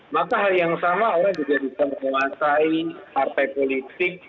maka hal yang sama orang juga bisa menguasai partai politik